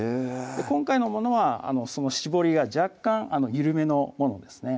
今回のものはその絞りが若干緩めのものですね